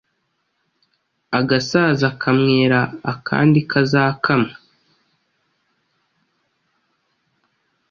Agasaza kamwera akandi kuzakamwa.